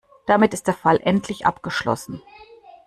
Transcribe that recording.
Damit ist der Fall endlich abgeschlossen.